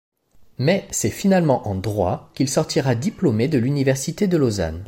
Mais c'est finalement en droit qu'il sortira diplômé de l'université de Lausanne.